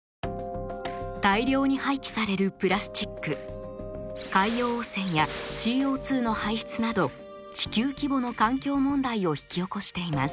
大量に廃棄されるプラスチック海洋汚染やＣＯの排出など地球規模の環境問題を引き起こしています。